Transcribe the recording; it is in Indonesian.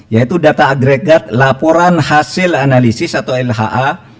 yaitu data agregat laporan hasil analisis atau lha